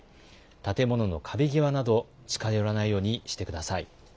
建物の壁際など、近寄らないようにしてください。